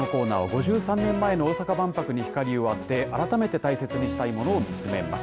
５３年前の大阪万博に光を当て改めて大切にしたいものを見つめます。